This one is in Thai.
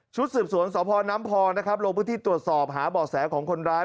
สืบสวนสพน้ำพองนะครับลงพื้นที่ตรวจสอบหาบ่อแสของคนร้าย